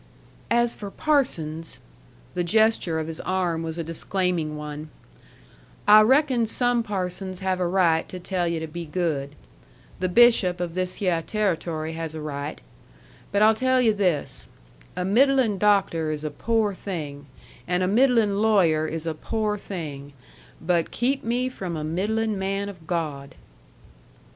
"As for parsons " the gesture of his arm was a disclaiming one "I reckon some parsons have a right to tell yu' to be good. The bishop of this hyeh Territory has a right. But I'll tell yu' this: a middlin' doctor is a pore thing, and a middlin' lawyer is a pore thing; but keep me from a middlin' man of God."